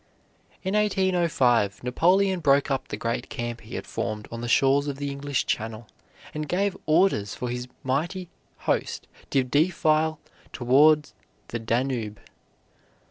In 1805 Napoleon broke up the great camp he had formed on the shores of the English Channel, and gave orders for his mighty host to defile toward the Danube.